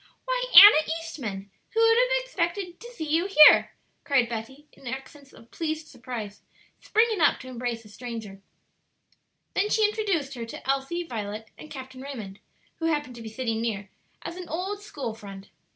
"Why, Anna Eastman, who would have expected to see you here?" cried Betty, in accents of pleased surprise, springing up to embrace the stranger. Then she introduced her to Elsie, Violet, and Captain Raymond, who happened to be sitting near, as an old school friend.